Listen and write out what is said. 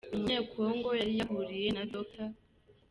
Uyu munye-Congo yari yahuriye na Dr.